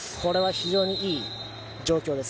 非常にいい状況です。